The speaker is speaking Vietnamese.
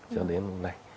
cho đến nay